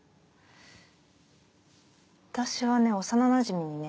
私はね幼なじみにね